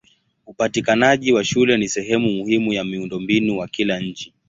Upatikanaji wa shule ni sehemu muhimu ya miundombinu wa kila nchi.